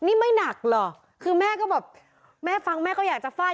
นี่ไม่หนักเหรอคือแม่ก็แบบแม่ฟังแม่ก็อยากจะฟาด